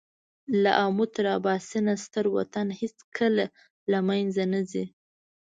له آمو تر اباسینه ستر وطن هېڅکله له مېنځه نه ځي.